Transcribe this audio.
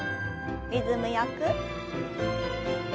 リズムよく。